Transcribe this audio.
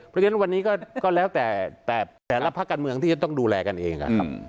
เพราะฉะนั้นวันนี้ก็แล้วแต่แต่ละภาคการเมืองที่จะต้องดูแลกันเองนะครับ